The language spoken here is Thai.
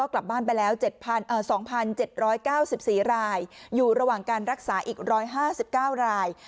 กลับบ้านไปแล้ว๒๗๙๔รายอยู่ระหว่างการรักษาอีก๑๕๙ราย